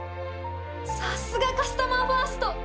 さすがカスタマーファースト！